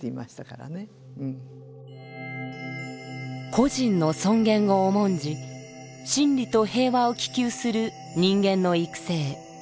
「個人の尊厳を重んじ真理と平和を希求する人間の育成」。